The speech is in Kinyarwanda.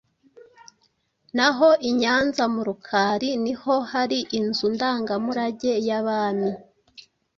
Naho i Nyanza mu Rukari, ni ho hari inzu ndangamurage y’abami.